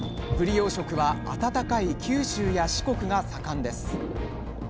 養殖は暖かい九州や四国が盛んです。